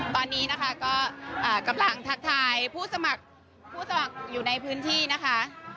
ตอนนี้นะคะกำลังทักทายผู้สมัครอยู่ในพื้นที่นะคะ